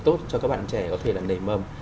tốt cho các bạn trẻ có thể là nảy mầm